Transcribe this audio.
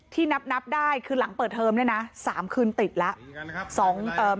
ที่นับนับได้คือหลังเปิดเทอมเนี่ยนะ๓คืนติดแล้ว